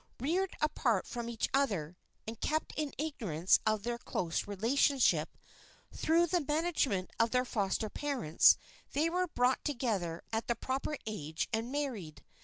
Reared apart from each other, and kept in ignorance of their close relationship, through the management of their foster parents they were brought together at the proper age and married.